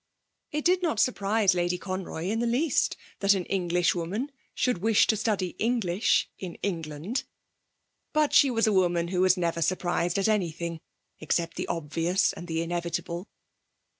It did not surprise Lady Conroy in the least that an Englishwoman should wish to study English in England; but she was a woman who was never surprised at anything except the obvious and the inevitable.